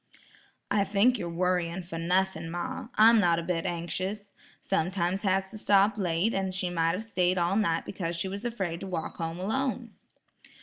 "I think you're worrying for nothing, ma; I'm not a bit anxious. Sometimes has to stop late, and she might have stayed all night because she was afraid to walk home alone."